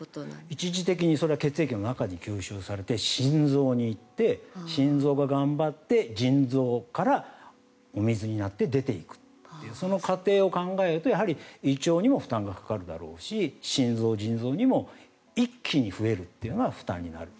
一時的にそれは血液の中に吸収されて心臓に行って心臓が頑張って腎臓からお水になって出ていくというその過程を考えると胃腸にも負担がかかるだろうし心臓、腎臓にも一気に増えるというのは負担になる。